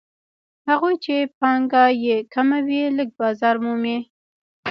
هغوی چې پانګه یې کمه وي لږ بازار مومي